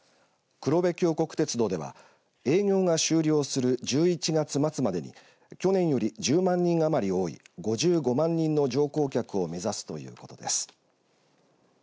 黒部峡谷鉄道では営業が終了する１１月末までに去年より１０万人余り多い５５万人の乗降客を目指すということです。